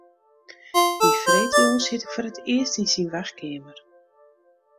Dy freedtejûns siet ik foar it earst yn syn wachtkeamer.